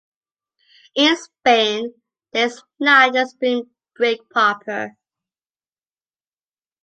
In Spain, there is not a spring break proper.